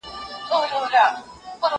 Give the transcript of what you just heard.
زه به سبا بوټونه پاک کړم!!